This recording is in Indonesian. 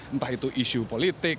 entah itu isu politik